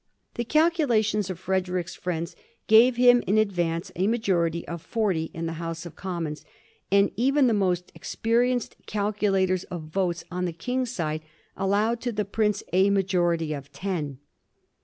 The calculations of Frederick's friends gave him in ad vance a majority of forty in the House of Commons ; and even the most experienced calculators of votes on the King's side allowed to the prince a majority of ten.